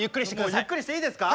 ゆっくりしていいですか。